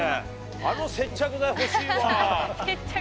あの接着剤、欲しいわ。